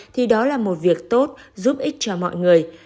thì đó là một việc tốt giúp ích cho mọi người